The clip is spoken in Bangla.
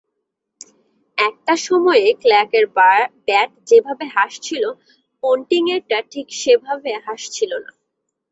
কারণ, একটা সময়ে ক্লার্কের ব্যাট যেভাবে হাসছিল, পন্টিংয়েরটা ঠিক সেভাবে হাসছিল না।